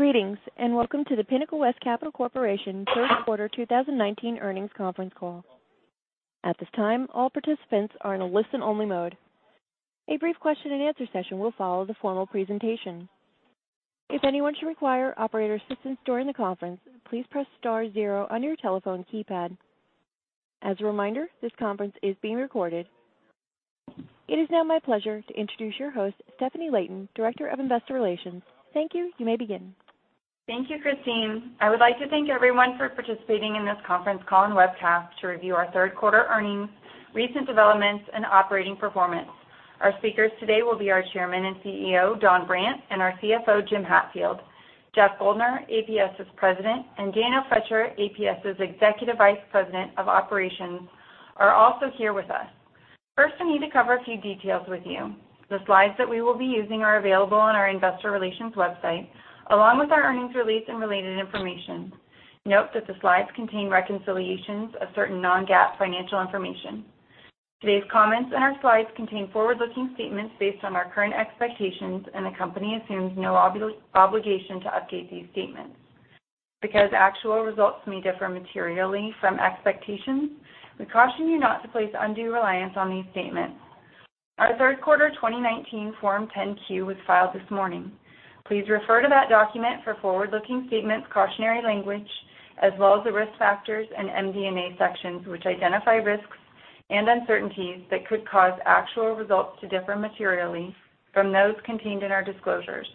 Greetings, and welcome to the Pinnacle West Capital Corporation third quarter 2019 earnings conference call. At this time, all participants are in a listen-only mode. A brief question and answer session will follow the formal presentation. If anyone should require operator assistance during the conference, please press star zero on your telephone keypad. As a reminder, this conference is being recorded. It is now my pleasure to introduce your host, Stefanie Layton, Director of Investor Relations. Thank you. You may begin. Thank you, Christine. I would like to thank everyone for participating in this conference call and webcast to review our third quarter earnings, recent developments, and operating performance. Our speakers today will be our Chairman and CEO, Don Brandt, and our CFO, Jim Hatfield. Jeff Guldner, APS's President, and Daniel Froetscher, APS's Executive Vice President of Operations, are also here with us. First, I need to cover a few details with you. The slides that we will be using are available on our investor relations website, along with our earnings release and related information. Note that the slides contain reconciliations of certain non-GAAP financial information. Today's comments and our slides contain forward-looking statements based on our current expectations, and the company assumes no obligation to update these statements. Because actual results may differ materially from expectations, we caution you not to place undue reliance on these statements. Our third quarter 2019 Form 10-Q was filed this morning. Please refer to that document for forward-looking statements cautionary language, as well as the risk factors and MD&A sections, which identify risks and uncertainties that could cause actual results to differ materially from those contained in our disclosures.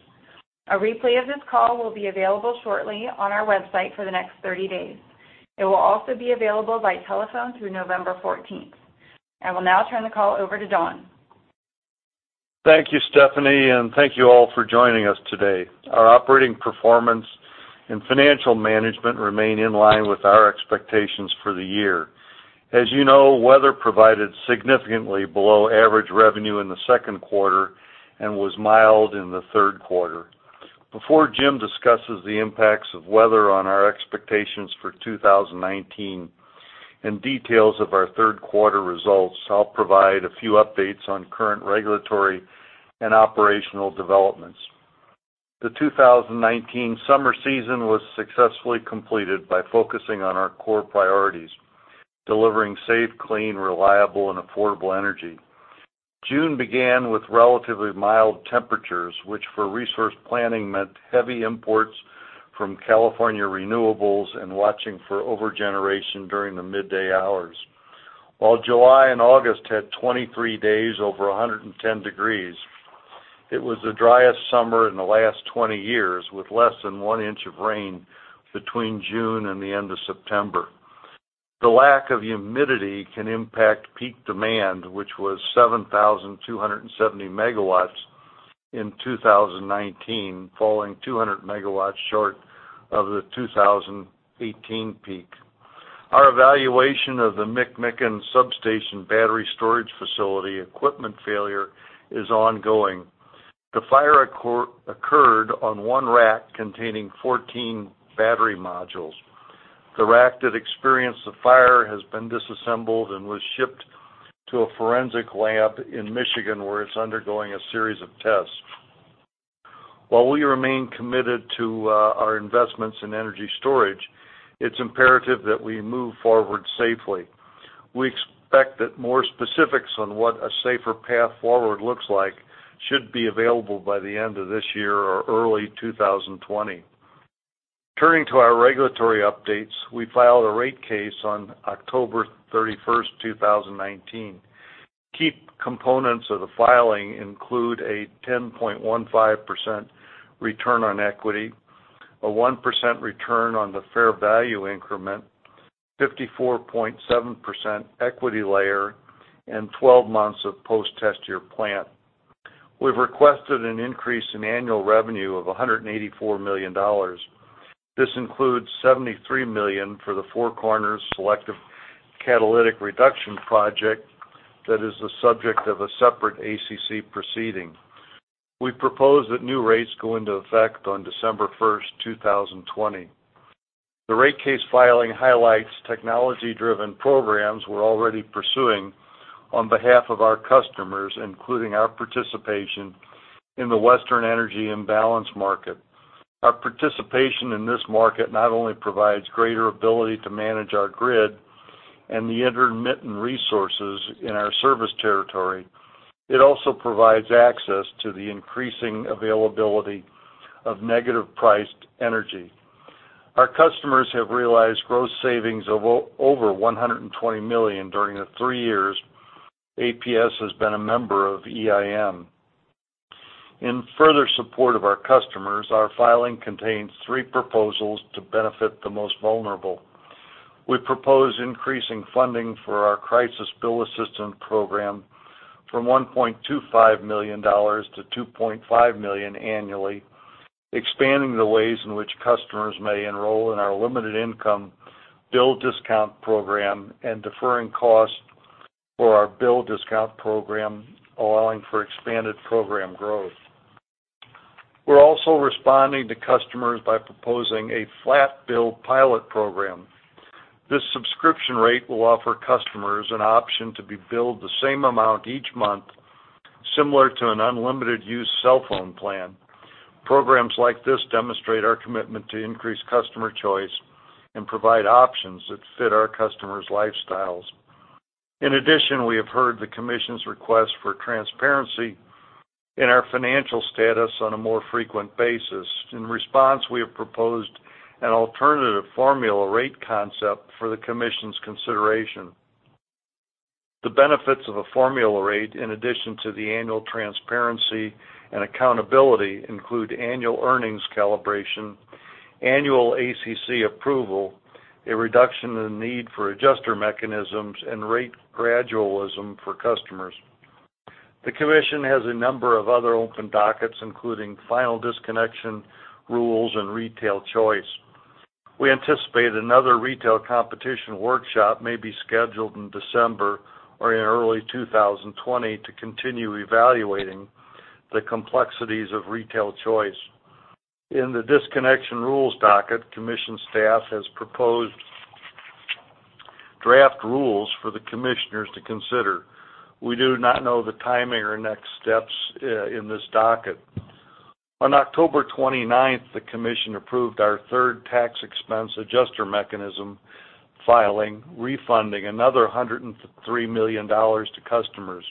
A replay of this call will be available shortly on our website for the next 30 days. It will also be available by telephone through November 14th. I will now turn the call over to Don. Thank you, Stefanie, and thank you all for joining us today. Our operating performance and financial management remain in line with our expectations for the year. As you know, weather provided significantly below average revenue in the second quarter and was mild in the third quarter. Before Jim discusses the impacts of weather on our expectations for 2019 and details of our third-quarter results, I'll provide a few updates on current regulatory and operational developments. The 2019 summer season was successfully completed by focusing on our core priorities: delivering safe, clean, reliable, and affordable energy. June began with relatively mild temperatures, which for resource planning meant heavy imports from California renewables and watching for over-generation during the midday hours. While July and August had 23 days over 110 degrees, it was the driest summer in the last 20 years, with less than one inch of rain between June and the end of September. The lack of humidity can impact peak demand, which was 7,270 megawatts in 2019, falling 200 megawatts short of the 2018 peak. Our evaluation of the McMicken Substation battery storage facility equipment failure is ongoing. The fire occurred on one rack containing 14 battery modules. The rack that experienced the fire has been disassembled and was shipped to a forensic lab in Michigan, where it's undergoing a series of tests. While we remain committed to our investments in energy storage, it's imperative that we move forward safely. We expect that more specifics on what a safer path forward looks like should be available by the end of this year or early 2020. Turning to our regulatory updates, we filed a rate case on October 31st, 2019. Key components of the filing include a 10.15% return on equity, a 1% return on the fair value increment, 54.7% equity layer, and 12 months of post-test-year plant. We've requested an increase in annual revenue of $184 million. This includes $73 million for the Four Corners Selective Catalytic Reduction project that is the subject of a separate ACC proceeding. We propose that new rates go into effect on December 1st, 2020. The rate case filing highlights technology-driven programs we're already pursuing on behalf of our customers, including our participation in the Western Energy Imbalance Market. Our participation in this market not only provides greater ability to manage our grid and the intermittent resources in our service territory, it also provides access to the increasing availability of negative-priced energy. Our customers have realized gross savings of over $120 million during the three years APS has been a member of EIM. In further support of our customers, our filing contains three proposals to benefit the most vulnerable. We propose increasing funding for our Crisis Bill Assistance Program from $1.25 million to $2.5 million annually, expanding the ways in which customers may enroll in our Limited Income Bill Discount Program, and deferring costs for our bill discount program, allowing for expanded program growth. We are also responding to customers by proposing a flat bill pilot program. This subscription rate will offer customers an option to be billed the same amount each month, similar to an unlimited use cell phone plan. Programs like this demonstrate our commitment to increase customer choice and provide options that fit our customers' lifestyles. In addition, we have heard the commission's request for transparency in our financial status on a more frequent basis. In response, we have proposed an alternative formula rate concept for the commission's consideration. The benefits of a formula rate, in addition to the annual transparency and accountability, include annual earnings calibration, annual ACC approval, a reduction in the need for adjuster mechanisms, and rate gradualism for customers. The commission has a number of other open dockets, including final disconnection rules and retail choice. We anticipate another retail competition workshop may be scheduled in December or in early 2020 to continue evaluating the complexities of retail choice. In the disconnection rules docket, commission staff has proposed draft rules for the commissioners to consider. We do not know the timing or next steps in this docket. On October 29th, the commission approved our third Tax Expense Adjuster Mechanism filing, refunding another $103 million to customers.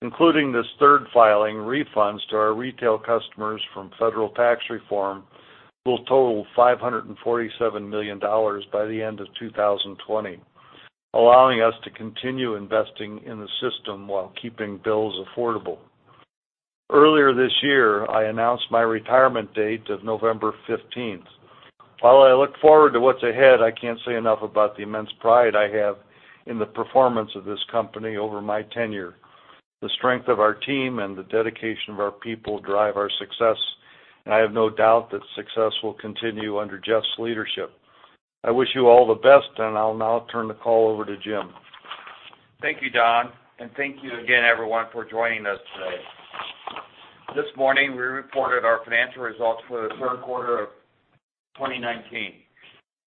Including this third filing, refunds to our retail customers from federal tax reform will total $547 million by the end of 2020, allowing us to continue investing in the system while keeping bills affordable. Earlier this year, I announced my retirement date of November 15th. While I look forward to what's ahead, I can't say enough about the immense pride I have in the performance of this company over my tenure. The strength of our team and the dedication of our people drive our success, and I have no doubt that success will continue under Jeff's leadership. I wish you all the best, and I'll now turn the call over to Jim. Thank you, Don, and thank you again, everyone, for joining us today. This morning, we reported our financial results for the third quarter of 2019.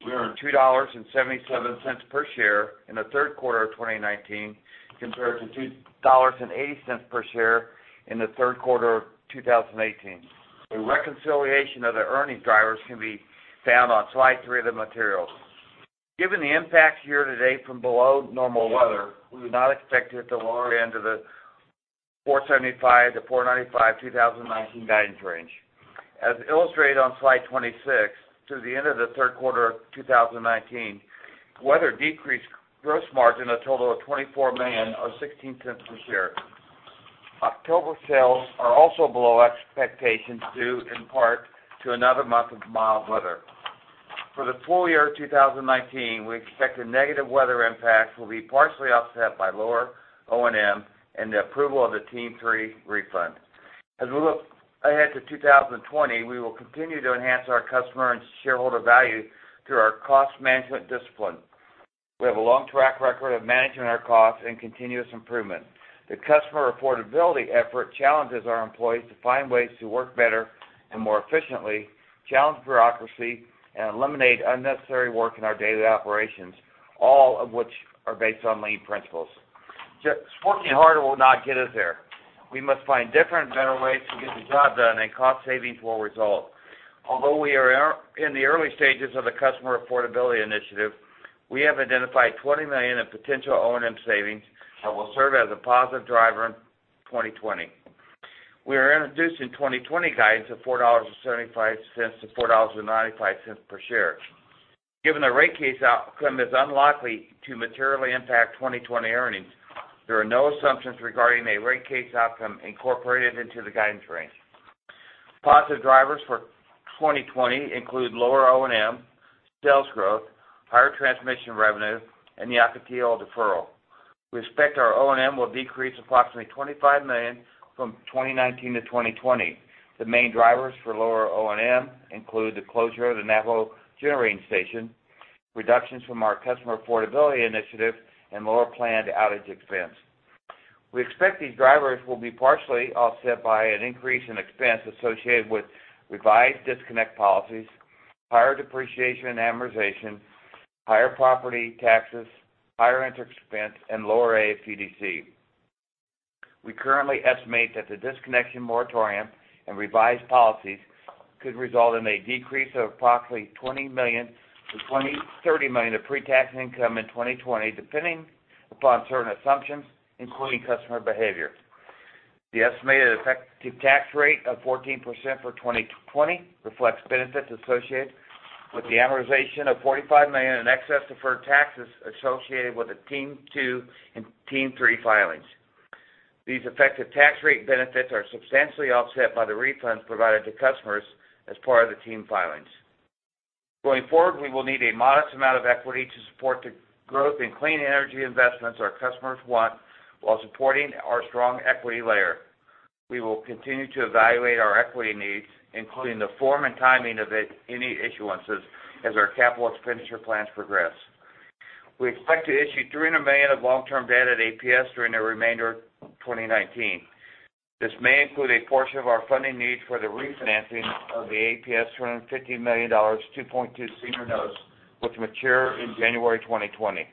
We earned $2.77 per share in the third quarter of 2019, compared to $2.80 per share in the third quarter of 2018. A reconciliation of the earnings drivers can be found on slide three of the materials. Given the impact year-to-date from below-normal weather, we now expect to hit the lower end of the $4.75-$4.95 2019 guidance range. As illustrated on slide 26, through the end of the third quarter of 2019, weather decreased gross margin a total of $24 million, or $0.16 per share. October sales are also below expectations due in part to another month of mild weather. For the full year 2019, we expect the negative weather impact will be partially offset by lower O&M and the approval of the TEAM 3 refund. As we look ahead to 2020, we will continue to enhance our customer and shareholder value through our cost management discipline. We have a long track record of managing our costs and continuous improvement. The customer affordability effort challenges our employees to find ways to work better and more efficiently, challenge bureaucracy, and eliminate unnecessary work in our daily operations, all of which are based on lean principles. Just working harder will not get us there. We must find different, better ways to get the job done, and cost savings will result. Although we are in the early stages of the customer affordability initiative, we have identified $20 million of potential O&M savings that will serve as a positive driver in 2020. We are introducing 2020 guidance of $4.75-$4.95 per share. Given the rate case outcome is unlikely to materially impact 2020 earnings, there are no assumptions regarding a rate case outcome incorporated into the guidance range. Positive drivers for 2020 include lower O&M, sales growth, higher transmission revenue, and the Ocotillo deferral. We expect our O&M will decrease approximately $25 million from 2019 to 2020. The main drivers for lower O&M include the closure of the Navajo Generating Station, reductions from our customer affordability initiative, and lower planned outage expense. We expect these drivers will be partially offset by an increase in expense associated with revised disconnect policies, higher depreciation and amortization, higher property taxes, higher interest expense, and lower AFDC. We currently estimate that the disconnection moratorium and revised policies could result in a decrease of approximately $20 million-$30 million of pre-tax income in 2020, depending upon certain assumptions, including customer behavior. The estimated effective tax rate of 14% for 2020 reflects benefits associated with the amortization of $45 million in excess deferred taxes associated with the TEAM 2 and TEAM 3 filings. These effective tax rate benefits are substantially offset by the refunds provided to customers as part of the TEAM filings. Going forward, we will need a modest amount of equity to support the growth in clean energy investments our customers want while supporting our strong equity layer. We will continue to evaluate our equity needs, including the form and timing of any issuances as our capital expenditure plans progress. We expect to issue $300 million of long-term debt at APS during the remainder of 2019. This may include a portion of our funding needs for the refinancing of the APS $250 million 2.2 senior notes, which mature in January 2020.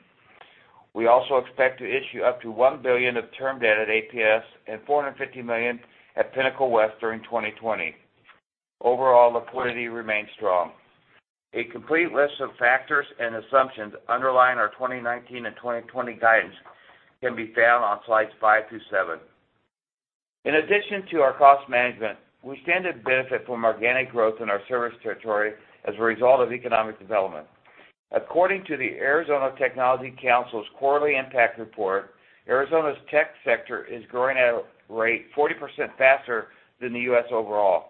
We also expect to issue up to $1 billion of term debt at APS and $450 million at Pinnacle West during 2020. Overall liquidity remains strong. A complete list of factors and assumptions underlying our 2019 and 2020 guidance can be found on slides five through seven. In addition to our cost management, we stand to benefit from organic growth in our service territory as a result of economic development. According to the Arizona Technology Council's quarterly impact report, Arizona's tech sector is growing at a rate 40% faster than the U.S. overall.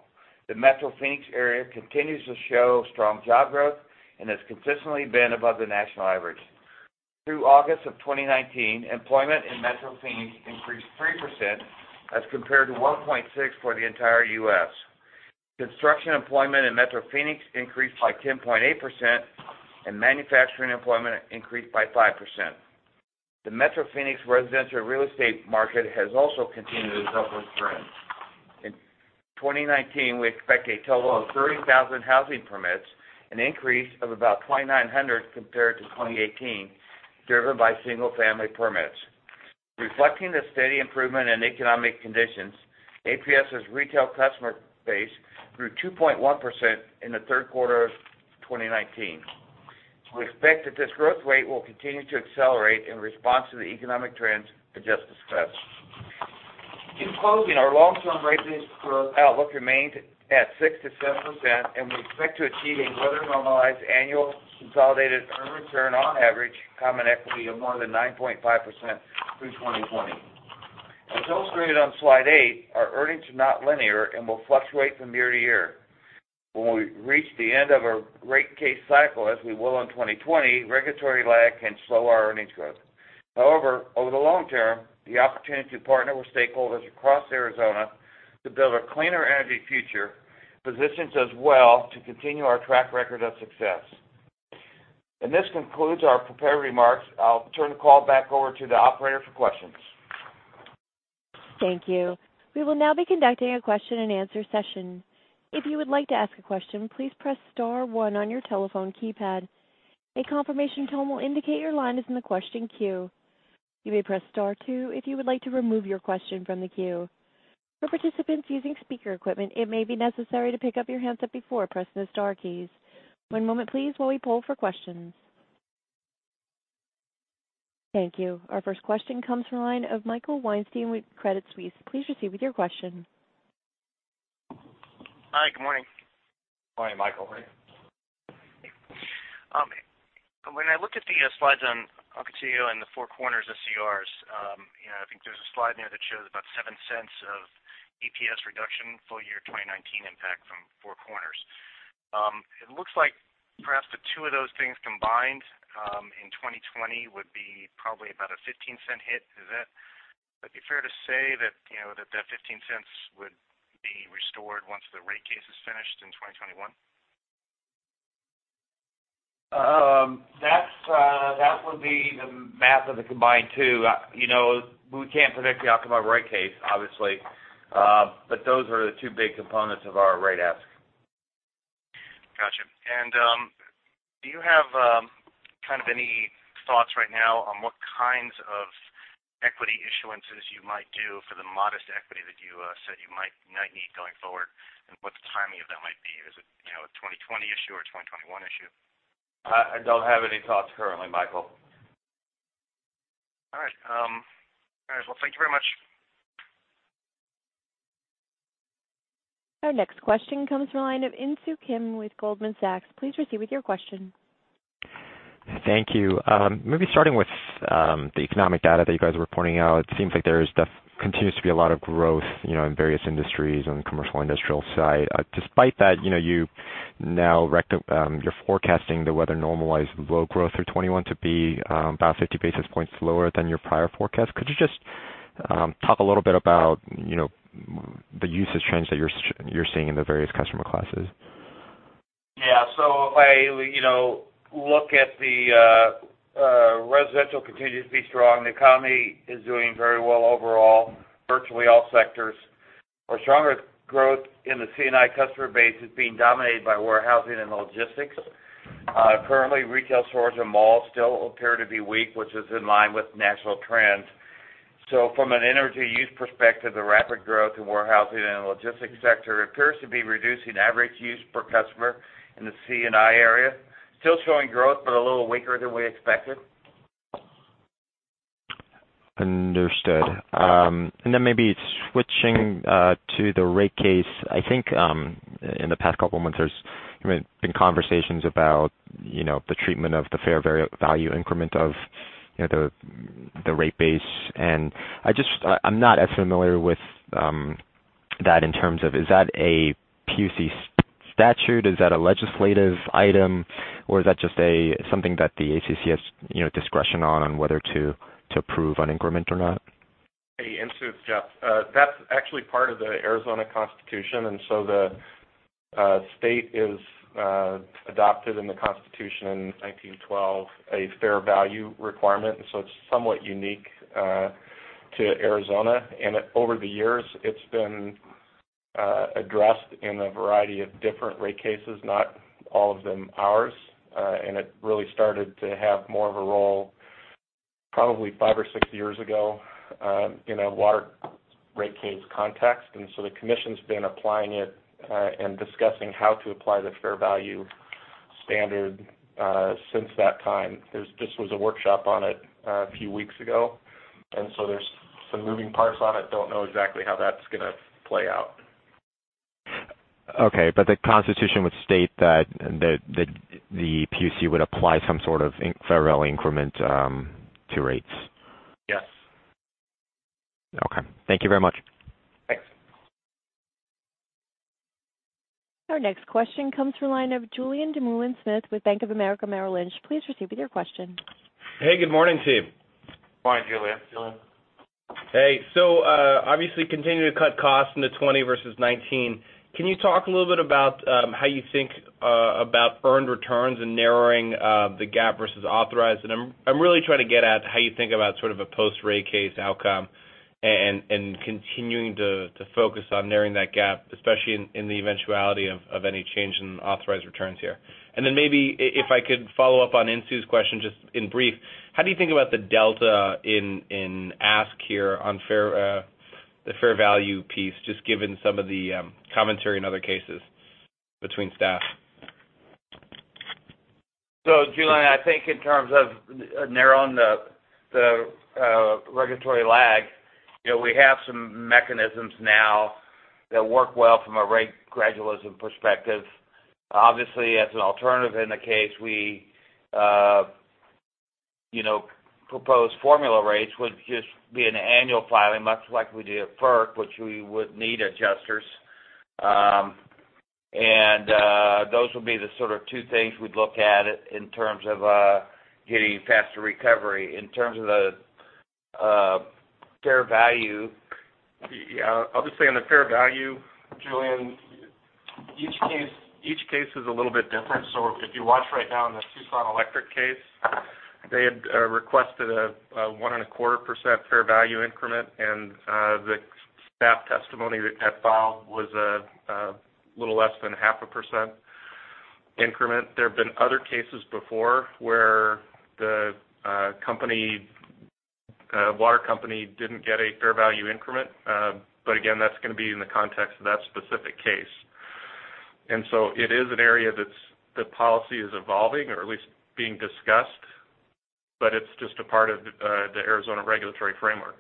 The Metro Phoenix area continues to show strong job growth and has consistently been above the national average. Through August of 2019, employment in Metro Phoenix increased 3% as compared to 1.6% for the entire U.S. Construction employment in Metro Phoenix increased by 10.8%, and manufacturing employment increased by 5%. The Metro Phoenix residential real estate market has also continued its upward trend. In 2019, we expect a total of 30,000 housing permits, an increase of about 2,900 compared to 2018, driven by single-family permits. Reflecting the steady improvement in economic conditions, APS's retail customer base grew 2.1% in the third quarter of 2019. We expect that this growth rate will continue to accelerate in response to the economic trends I just discussed. In closing, our long-term rate base growth outlook remains at 6%-7%, and we expect to achieve a weather-normalized annual consolidated earned return on average common equity of more than 9.5% through 2020. As illustrated on slide eight, our earnings are not linear and will fluctuate from year to year. When we reach the end of our rate case cycle, as we will in 2020, regulatory lag can slow our earnings growth. However, over the long term, the opportunity to partner with stakeholders across Arizona to build a cleaner energy future positions us well to continue our track record of success. This concludes our prepared remarks. I'll turn the call back over to the operator for questions. Thank you. We will now be conducting a question and answer session. If you would like to ask a question, please press star one on your telephone keypad. A confirmation tone will indicate your line is in the question queue. You may press star two if you would like to remove your question from the queue. For participants using speaker equipment, it may be necessary to pick up your handset before pressing the star keys. One moment please while we poll for questions. Thank you. Our first question comes from the line of Michael Weinstein with Credit Suisse. Please proceed with your question. Hi, good morning. Morning, Michael. When I look at the slides on Ocotillo and the Four Corners SCRs, I think there's a slide there that shows about $0.07 of EPS reduction full year 2019 impact from Four Corners. It looks like perhaps the two of those things combined, in 2020, would be probably about a $0.15 hit. Would it be fair to say that that $0.15 would be restored once the rate case is finished in 2021? That would be the math of the combined two. We can't predict the outcome of our rate case, obviously. Those are the two big components of our rate ask. Got you. Do you have any thoughts right now on what kinds of equity issuances you might do for the modest equity that you said you might need going forward? What the timing of that might be? Is it a 2020 issue or a 2021 issue? I don't have any thoughts currently, Michael. All right. Well, thank you very much. Our next question comes from the line of Insoo Kim with Goldman Sachs. Please proceed with your question. Thank you. Maybe starting with the economic data that you guys were pointing out, it seems like there continues to be a lot of growth in various industries on the commercial industrial side. Despite that, you're forecasting the weather-normalized load growth through 2021 to be about 50 basis points lower than your prior forecast. Could you just talk a little bit about the usage trends that you're seeing in the various customer classes? Look at the residential continues to be strong. The economy is doing very well overall, virtually all sectors. Our stronger growth in the C&I customer base is being dominated by warehousing and logistics. Currently, retail stores and malls still appear to be weak, which is in line with national trends. From an energy use perspective, the rapid growth in warehousing and the logistics sector appears to be reducing average use per customer in the C&I area. Still showing growth, but a little weaker than we expected. Understood. Maybe switching to the rate case. I think in the past couple of months, there's been conversations about the treatment of the fair value increment of the rate base, I'm not as familiar with that in terms of, is that a PUC statute? Is that a legislative item, or is that just something that the ACC has discretion on whether to approve an increment or not? Hey, Insoo, it's Jeff. That's actually part of the Arizona Constitution, and so the State is adopted in the Constitution in 1912, a fair value requirement. It's somewhat unique to Arizona. Over the years, it's been addressed in a variety of different rate cases, not all of them ours. It really started to have more of a role probably five or six years ago, in a water rate case context. The commission's been applying it, and discussing how to apply the fair value standard since that time. There just was a workshop on it a few weeks ago, and so there's some moving parts on it. Don't know exactly how that's going to play out. Okay. The Constitution would state that the PUC would apply some sort of fair value increment to rates. Yes. Okay. Thank you very much. Thanks. Our next question comes from the line of Julien Dumoulin-Smith with Bank of America Merrill Lynch. Please proceed with your question. Hey, good morning, team. Morning, Julien. Julien. Obviously continuing to cut costs into 2020 versus 2019. Can you talk a little bit about how you think about earned returns and narrowing the gap versus authorized? I'm really trying to get at how you think about sort of a post rate case outcome and continuing to focus on narrowing that gap, especially in the eventuality of any change in authorized returns here. Maybe if I could follow up on Insoo's question, just in brief, how do you think about the delta in ask here on the fair value piece, just given some of the commentary in other cases between staff? Julien, I think in terms of narrowing the regulatory lag, we have some mechanisms now that work well from a rate gradualism perspective. Obviously, as an alternative in the case, we propose formula rates would just be an annual filing, much like we do at FERC, which we would need adjusters. Those would be the sort of two things we'd look at in terms of getting faster recovery. I'll just say on the fair value, Julien, each case is a little bit different. If you watch right now in the Tucson Electric case, they had requested a one and a quarter % fair value increment, and the staff testimony that filed was a little less than half a % increment. There have been other cases before where the water company didn't get a fair value increment. Again, that's going to be in the context of that specific case. It is an area that the policy is evolving or at least being discussed, but it's just a part of the Arizona regulatory framework.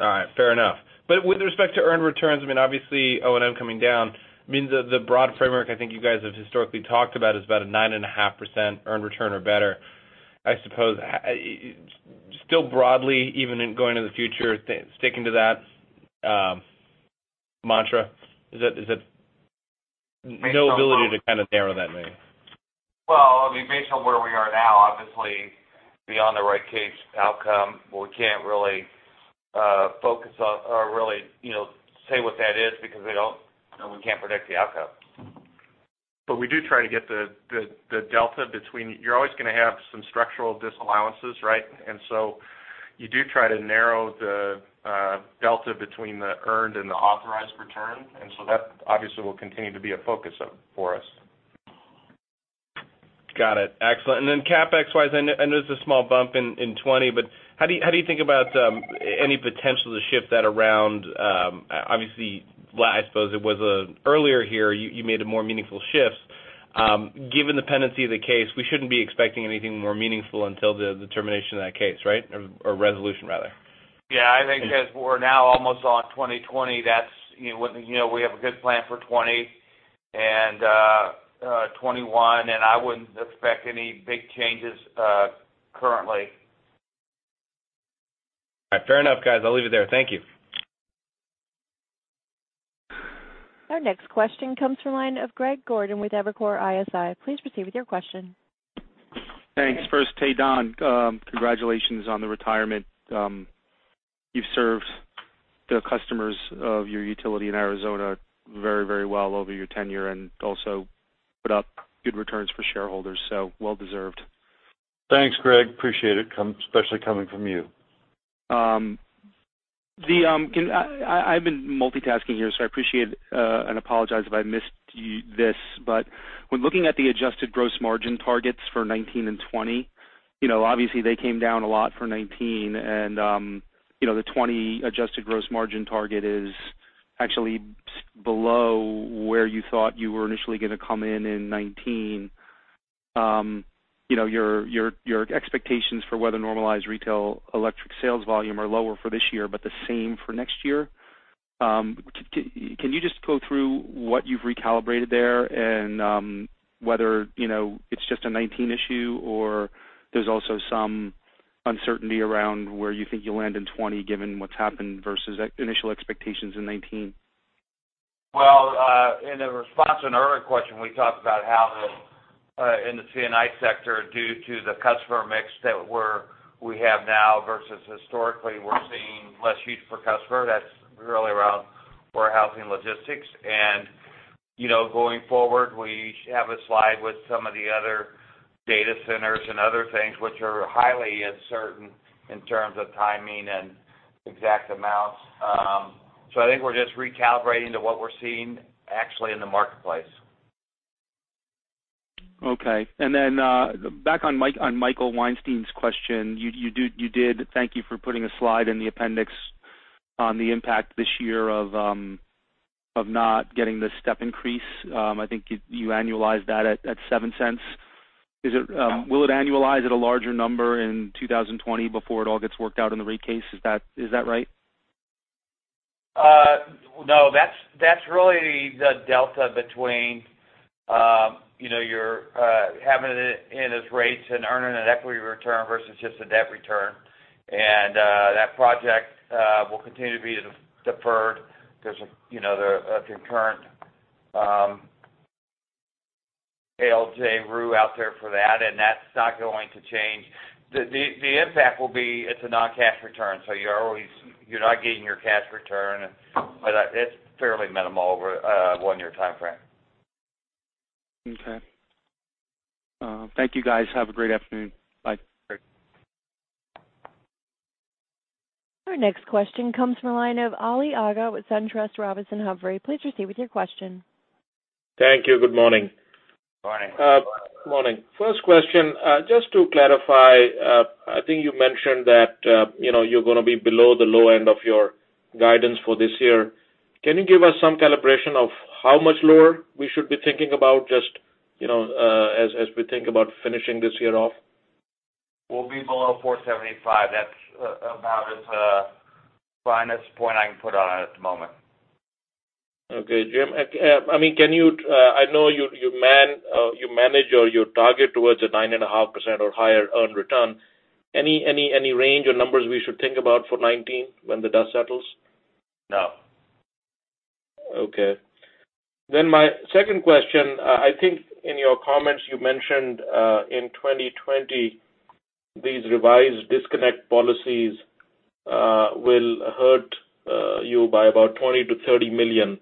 All right. Fair enough. With respect to earned returns, I mean, obviously O&M coming down means that the broad framework I think you guys have historically talked about is about a nine and a half percent earned return or better. I suppose, still broadly, even in going to the future, sticking to that mantra. Is that no ability to kind of narrow that range? Well, I mean, based on where we are now, obviously beyond the right case outcome, we can't really focus on or really say what that is because we can't predict the outcome. We do try to get the delta between. You're always going to have some structural disallowances, right? You do try to narrow the delta between the earned and the authorized return. That obviously will continue to be a focus for us. Got it. Excellent. CapEx-wise, I know there's a small bump in 2020, but how do you think about any potential to shift that around? Obviously, I suppose it was earlier here, you made a more meaningful shift. Given the pendency of the case, we shouldn't be expecting anything more meaningful until the determination of that case, right? Resolution, rather. I think because we're now almost on 2020, we have a good plan for 2020 and 2021. I wouldn't expect any big changes currently. All right. Fair enough, guys. I'll leave it there. Thank you. Our next question comes from line of Greg Gordon with Evercore ISI. Please proceed with your question. Thanks. Hey, Don. Congratulations on the retirement. You've served the customers of your utility in Arizona very well over your tenure and also put up good returns for shareholders, so well deserved. Thanks, Greg. Appreciate it, especially coming from you. I've been multitasking here, so I appreciate it, and apologize if I missed this. When looking at the adjusted gross margin targets for 2019 and 2020, obviously they came down a lot for 2019 and the 2020 adjusted gross margin target is actually below where you thought you were initially going to come in in 2019. Your expectations for weather-normalized retail electric sales volume are lower for this year, but the same for next year. Can you just go through what you've recalibrated there and whether it's just a 2019 issue or there's also some uncertainty around where you think you'll land in 2020 given what's happened versus initial expectations in 2019? Well, in the response to an earlier question, we talked about how the In the C&I sector due to the customer mix that we have now versus historically, we're seeing less use per customer. That's really around warehousing, logistics. Going forward, we have a slide with some of the other data centers and other things which are highly uncertain in terms of timing and exact amounts. I think we're just recalibrating to what we're seeing actually in the marketplace. Okay. Back on Michael Weinstein's question, you did thank you for putting a slide in the appendix on the impact this year of not getting the step increase. I think you annualized that at $0.07. Yeah. Will it annualize at a larger number in 2020 before it all gets worked out in the rate case? Is that right? No. That's really the delta between your having it in as rates and earning an equity return versus just a debt return. That project will continue to be deferred because of the concurrent, ALJ rule out there for that, and that's not going to change. The impact will be, it's a non-cash return, so you're not getting your cash return, but it's fairly minimal over a one-year time frame. Okay. Thank you, guys. Have a great afternoon. Bye. Great. Our next question comes from the line of Ali Agha with SunTrust Robinson Humphrey. Please proceed with your question. Thank you. Good morning. Morning. Morning. First question, just to clarify, I think you mentioned that you're going to be below the low end of your guidance for this year. Can you give us some calibration of how much lower we should be thinking about just as we think about finishing this year off? We'll be below $475. That's about as finest point I can put on it at the moment. Okay. Jim, I know you manage or you target towards a 9.5% or higher earned return. Any range or numbers we should think about for 2019 when the dust settles? No. Okay. My second question, I think in your comments you mentioned, in 2020, these revised disconnect policies will hurt you by about $20 million-$30 million.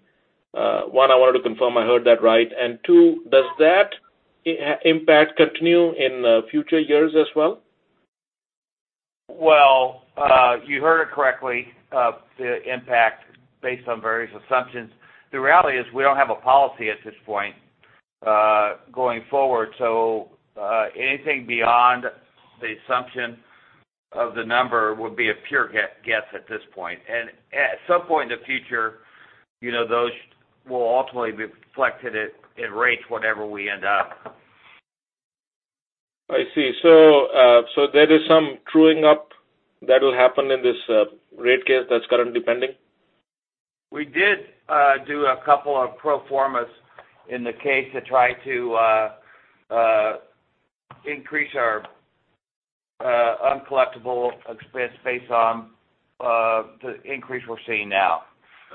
One, I wanted to confirm I heard that right, and two, does that impact continue in future years as well? Well, you heard it correctly, the impact based on various assumptions. The reality is we don't have a policy at this point going forward, so anything beyond the assumption of the number would be a pure guess at this point. At some point in the future, those will ultimately be reflected in rates whenever we end up. I see. There is some truing up that'll happen in this rate case that's currently pending? We did do a couple of pro formas in the case to try to increase our uncollectible expense based on the increase we're seeing now.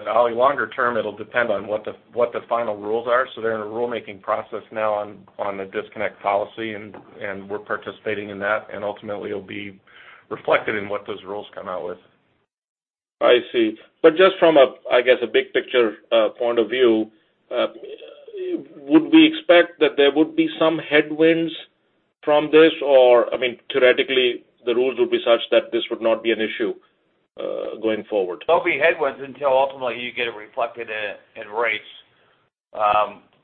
Ali, longer term, it'll depend on what the final rules are. They're in a rulemaking process now on the disconnect policy, and we're participating in that, and ultimately it'll be reflected in what those rules come out with. I see. Just from a, I guess, a big picture point of view, would we expect that there would be some headwinds from this? Theoretically, the rules would be such that this would not be an issue going forward? There'll be headwinds until ultimately you get it reflected in rates,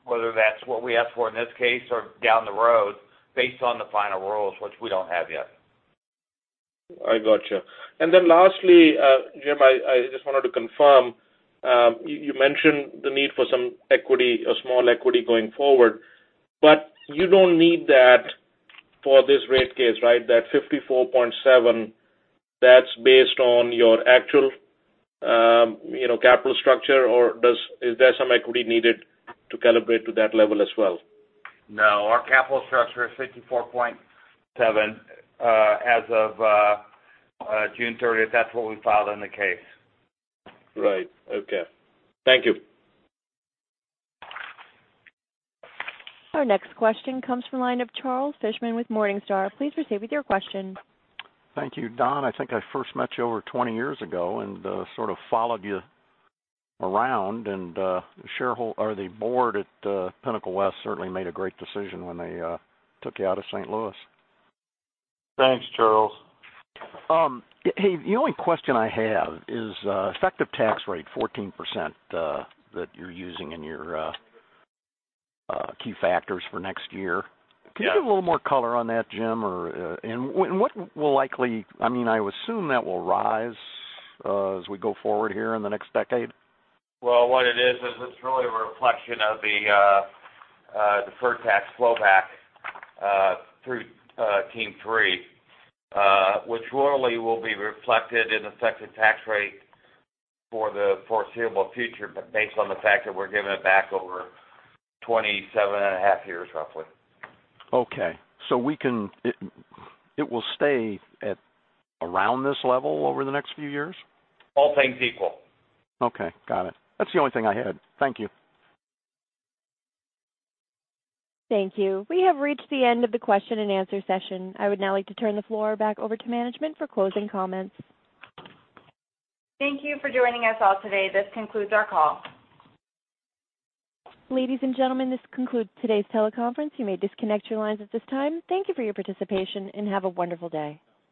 whether that's what we ask for in this case or down the road based on the final rules, which we don't have yet. I got you. Lastly, Jim, I just wanted to confirm, you mentioned the need for some equity, a small equity going forward. You don't need that for this rate case, right? That 54.7, that's based on your actual capital structure, or is there some equity needed to calibrate to that level as well? No, our capital structure is 54.7%. As of June 30th, that's what we filed in the case. Right. Okay. Thank you. Our next question comes from the line of Charles Fishman with Morningstar. Please proceed with your question. Thank you. Don, I think I first met you over 20 years ago and sort of followed you around and the board at Pinnacle West certainly made a great decision when they took you out of St. Louis. Thanks, Charles. Hey, the only question I have is effective tax rate 14% that you're using in your key factors for next year. Yes. Can you give a little more color on that, Jim? I assume that will rise as we go forward here in the next decade? Well, what it is it's really a reflection of the deferred tax flow back through TEAM 3, which really will be reflected in effective tax rate for the foreseeable future, but based on the fact that we're giving it back over 27 and a half years, roughly. Okay. It will stay at around this level over the next few years? All things equal. Okay, got it. That's the only thing I had. Thank you. Thank you. We have reached the end of the question and answer session. I would now like to turn the floor back over to management for closing comments. Thank you for joining us all today. This concludes our call. Ladies and gentlemen, this concludes today's teleconference. You may disconnect your lines at this time. Thank you for your participation, and have a wonderful day.